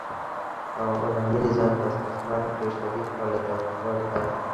په غلامي نظام کې استثمار ډیر شدید او له تاوتریخوالي ډک و.